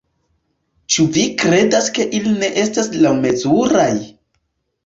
Ĉu vi kredas ke ili ne estas laŭmezuraj?